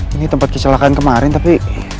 ini tempat kecelakaan kemarin tapi